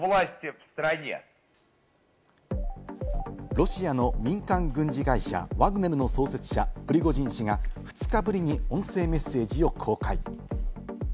ロシアの民間軍事会社ワグネルの創設者・プリゴジン氏が２日ぶりに音声メッセージを公開。